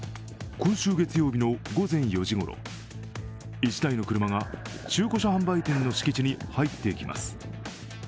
今週月曜日の午前４時ごろ１台の車が中古車販売店の敷地に入ってきます。